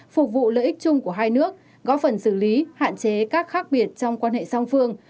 phục vụ lợi ích chung của hai nước góp phần xử lý hạn chế các khác biệt trong quan hệ song phương